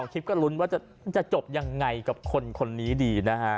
โชคก็รุนว่าจะจบยังไงกับคนนี้ดี